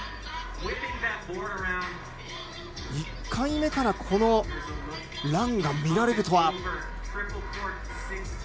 １回目からこのランが見られるとは。